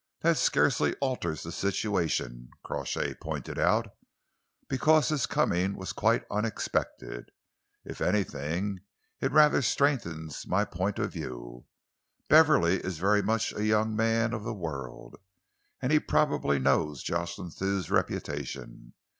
"That scarcely alters the situation," Crawshay pointed out, "because his coming was quite unexpected. If anything, it rather strengthens my point of view. Beverley is very much a young man of the world, and he probably knows Jocelyn Thew's reputation.